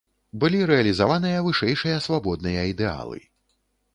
Былі рэалізаваныя вышэйшыя свабодныя ідэалы.